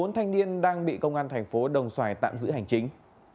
một mươi bốn thanh niên đang bị công an thành phố đồng xoài tạm giữ hành chính